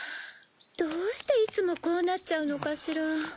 どうしていつもこうなっちゃうのかしら。